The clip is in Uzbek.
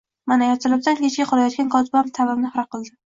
Mana, ertalabdan kechga qolayotgan kotibam ta'bimni xira qildi